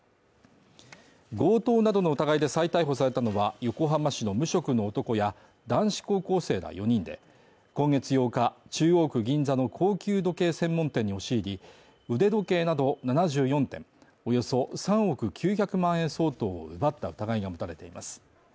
強盗などの疑いで再逮捕されたのは横浜市の無職の男や、男子高校生ら４人で、今月８日、中央区銀座の高級時計専門店に押し入り、腕時計など７４点、およそ３億９００万円相当を奪った疑いが持たれています。